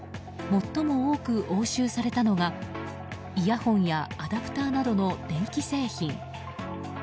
最も多く押収されたのがイヤホンやアダプターなどの電気製品。